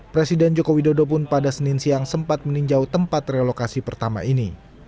presiden joko widodo pun pada senin siang sempat meninjau tempat relokasi pertama ini